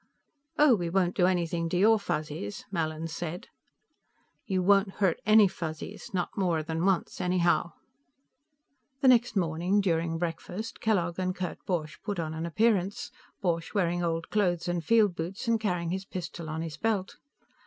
"Oh, we won't do anything to your Fuzzies," Mallin said. "You won't hurt any Fuzzies. Not more than once, anyhow." The next morning, during breakfast, Kellogg and Kurt Borch put in an appearance, Borch wearing old clothes and field boots and carrying his pistol on his belt.